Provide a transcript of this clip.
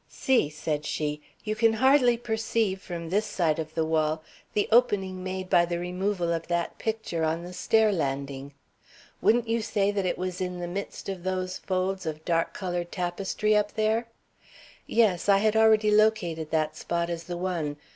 "See!" said she, "you can hardly perceive from this side of the wall the opening made by the removal of that picture on the stair landing. Wouldn't you say that it was in the midst of those folds of dark colored tapestry up there?" "Yes, I had already located that spot as the one.